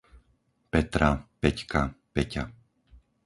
Petra, Peťka, Peťa